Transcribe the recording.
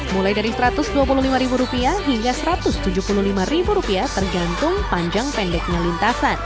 mulai dari rp satu ratus dua puluh lima hingga rp satu ratus tujuh puluh lima tergantung panjang pendeknya lintasan